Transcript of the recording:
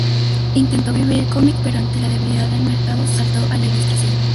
Intentó vivir del cómic, pero ante la debilidad del mercado, saltó a la ilustración.